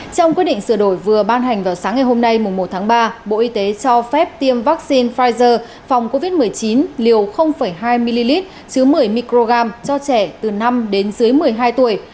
trong quyết định sửa đổi vừa ban hành vào sáng ngày hôm nay một tháng ba bộ y tế cho phép tiêm vaccine pfizer phòng covid một mươi chín liều hai ml chứa một mươi microgram cho trẻ từ năm đến dưới một mươi hai tuổi